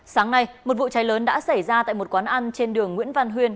sáng nay một vụ cháy lớn đã xảy ra tại một quán ăn trên đường nguyễn văn huyên